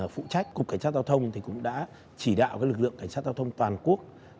phụ trách cục cảnh sát giao thông cũng đã chỉ đạo lực lượng cảnh sát giao thông toàn quốc